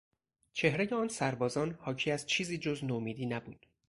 چهرهی آن سربازان حاکی از چیزی جز نومیدی نبود.